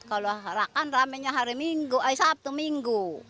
kalau rakan rame nya hari minggu ayo sabtu minggu